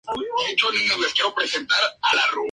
Distancias en kilómetros y tiempo en bus.